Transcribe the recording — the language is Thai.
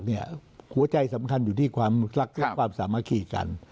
หัวใจสำคัญอยู่ที่ความรักและความสามัคคีกัน